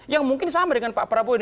yang mungkin sama dengan pak prabowo ini